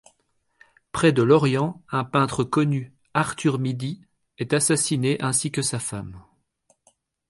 Près de Lorient, un peintre connu, Arthur Midy, est assassiné ainsi que sa femme.